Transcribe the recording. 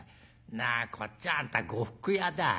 なあこっちはあんた呉服屋だ。